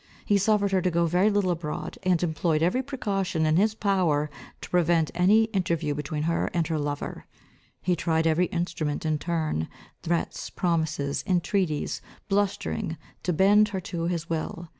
He suffered her to go very little abroad, and employed every precaution in his power, to prevent any interview between her and her lover. He tried every instrument in turn, threats, promises, intreaties, blustering, to bend her to his will.